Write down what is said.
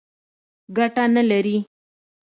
ګټه نه لري.